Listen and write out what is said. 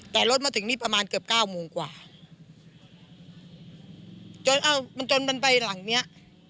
แต่รถมาถึงนี่ประมาณเกือบเก้าโมงกว่าจนเอ้ามันจนมันไปหลังเนี้ย